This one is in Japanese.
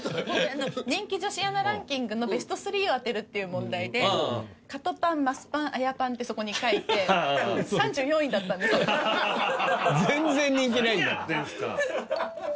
人気女子アナランキングのベスト３を当てるっていう問題で「カトパンマスパンアヤパン」ってそこに書いて３４位だったんですよ全然人気ない何やってんすか！